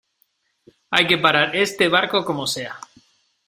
¡ hay que parar este barco como sea!